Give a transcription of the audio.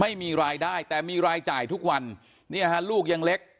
ไม่มีรายได้แต่มีรายจ่ายทุกวันเนี่ยฮะลูกยังเล็ก